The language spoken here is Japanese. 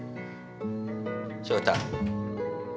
翔太